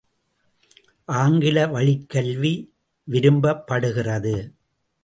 ஆங்கில வழிக் கல்வி விரும்பப்படுகிறது.